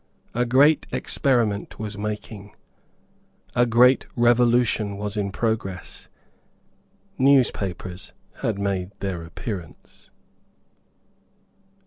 A great experiment was making. A great revolution was in progress. Newspapers had made their appearance.